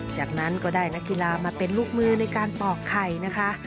จากนั้นก็ได้นักกีฬามาเป็นลูกมือในการปอกไข่นะคะ